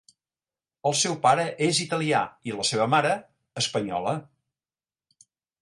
El seu pare és italià i la seva mare, espanyola.